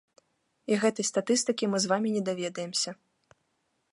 І гэтай статыстыкі мы з вамі не даведаемся.